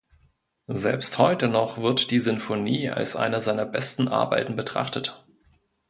Selbst heute noch wird die Sinfonie als eine seiner besten Arbeiten betrachtet.